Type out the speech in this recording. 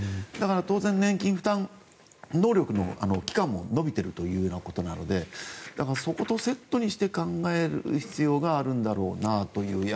当然、年金負担も延びているということなのでそことセットにして考える必要があるんだろうなと。